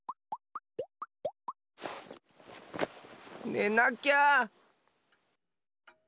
ねなきゃ。